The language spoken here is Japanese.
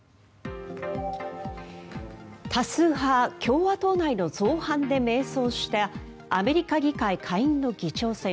多数派・共和党内の造反で迷走したアメリカ議会下院の議長選。